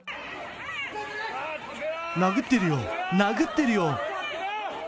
殴ってるよ、殴ってるよ。